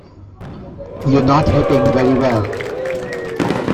You're not hitting very well.